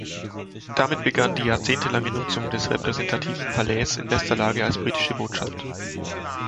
Damit begann die jahrzehntelange Nutzung des repräsentativen Palais in bester Lage als Britische Botschaft.